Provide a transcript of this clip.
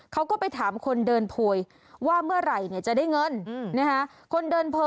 เขาก็ไปถามคนเดินโพยว่าเมื่อไหร่จะได้เงินนะฮะ